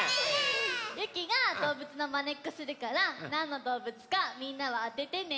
ゆきがどうぶつのまねっこするからなんのどうぶつかみんなはあててね。